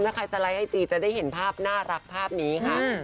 ถ้าใครสไลด์ไอจีจะได้เห็นภาพน่ารักภาพนี้ค่ะ